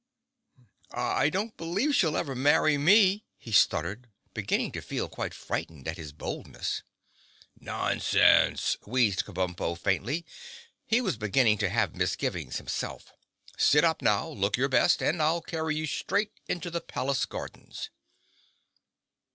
"I don't believe she'll ever marry me," he stuttered, beginning to feel quite frightened at his boldness. "Nonsense," wheezed Kabumpo faintly. He was beginning to have misgivings himself. "Sit up now! Look your best, and I'll carry you straight into the palace gardens."